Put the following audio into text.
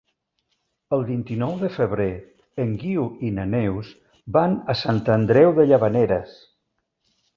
El vint-i-nou de febrer en Guiu i na Neus van a Sant Andreu de Llavaneres.